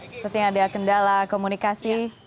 seperti ada kendala komunikasi